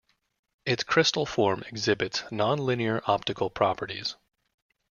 Its crystal form exhibits nonlinear optical properties.